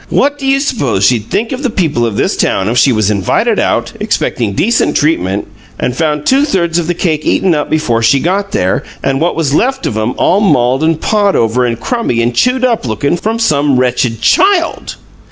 What do you suppose she'd think of the people of this town if she was invited out, expecting decent treatment, and found two thirds of the cakes eaten up before she got there, and what was left of 'em all mauled and pawed over and crummy and chewed up lookin' from some wretched CHILD?"